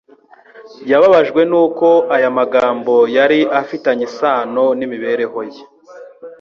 Yababajwe nuko aya magambo yari afitanye isano n’imibereho ye.